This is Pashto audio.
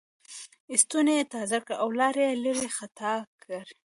ستونی یې تازه کړ او لاړې یې لېرې خطا کړې.